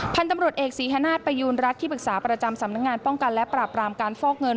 พันธุ์ตำรวจเอกศรีฮนาศประยูณรัฐที่ปรึกษาประจำสำนักงานป้องกันและปราบรามการฟอกเงิน